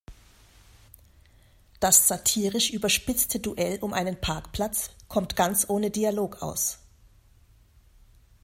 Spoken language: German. Das satirisch überspitzte Duell um einen Parkplatz kommt ganz ohne Dialog aus.